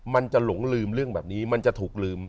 มันจะหลงลืมเรื่องแบบนี้มันจะถูกลืม